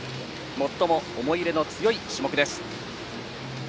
最も思い入れの強い種目です。